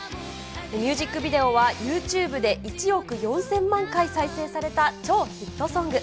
ミュージックビデオは、ユーチューブで１億４０００万回再生された、超ヒットソング。